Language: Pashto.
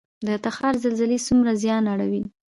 د تخار زلزلې څومره زیان اړوي؟